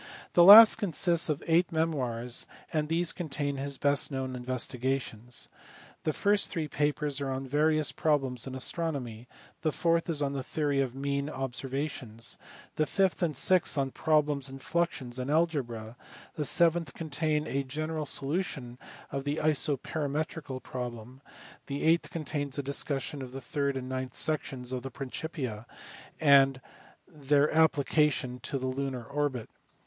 The last consists of eight memoirs and these contain his best known investigations. The first three papers are on various problems in astronomy ; the fourth is on the theory of mean observations ; the fifth and sixth on problems in fluxions and algebra ; the seventh contains a general solution of the isoperimetrical problem ; the eighth contains a discussion of the third and ninth sections of the Principia, and their appli cation to the lunar orbit.